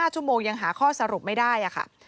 ชั่วโมงยังหาข้อสรุปไม่ได้ค่ะ